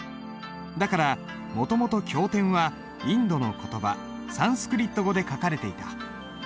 だからもともと経典はインドの言葉サンスクリット語で書かれていた。